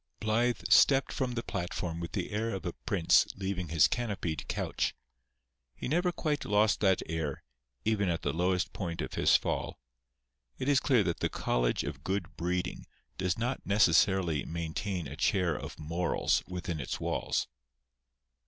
Blythe stepped from the platform with the air of a prince leaving his canopied couch. He never quite lost that air, even at the lowest point of his fall. It is clear that the college of good breeding does not necessarily maintain a chair of morals within its walls.